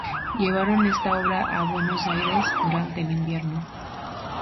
Llevaron esta obra a Buenos Aires durante el invierno.